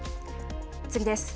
次です。